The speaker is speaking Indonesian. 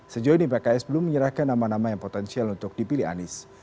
sejauh ini pks belum menyerahkan nama nama yang potensial untuk dipilih anies